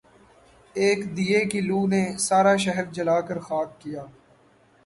ایک دیے کی لو نے سارا شہر جلا کر خاک کیا